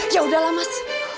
ya udahlah mas